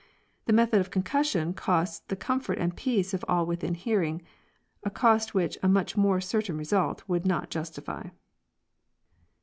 The method of concussion costs the comfort and peace of all within hearing, a cost which a much more certain result would not justify.